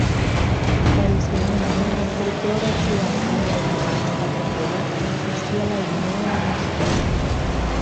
Tradicionalment, el folklore occidental i el català en particular, associa la guineu amb l'astúcia.